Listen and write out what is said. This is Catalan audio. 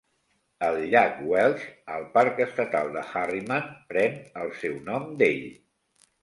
El llac Welch al Parc Estatal de Harriman pren el seu nom d'ell.